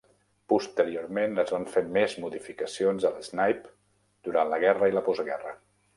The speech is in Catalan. Posteriorment, es van fer més modificacions a l"Snipe durant la guerra i la postguerra.